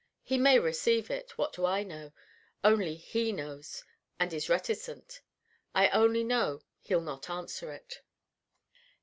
He may receive it what do I know? only he knows, and is reticent. I only know he'll not answer it.